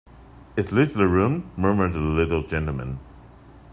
‘Is this the room?’ murmured the little gentleman.